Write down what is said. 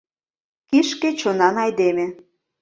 Кишке чонан айдеме!